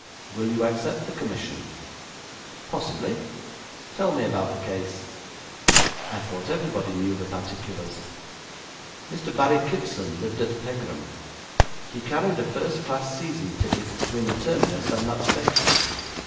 Will you accept the commission?' 'Possibly. Tell me about the case.' 'I thought everybody knew the particulars. Mr. Barrie Kipson lived at Pegram. He carried a first class season ticket between the terminus and that station.